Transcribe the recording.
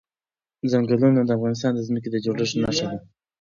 ځنګلونه د افغانستان د ځمکې د جوړښت نښه ده.